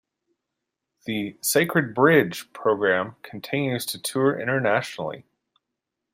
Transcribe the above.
The "Sacred Bridge" program continues to tour internationally.